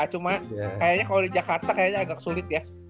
cuma kayaknya kalau di jakarta kayaknya agak sulit ya